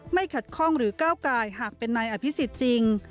ขัดข้องหรือก้าวกายหากเป็นนายอภิษฎจริง